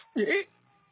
えっ！？